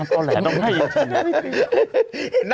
ตอนแหละต้องให้ฉันน่ะ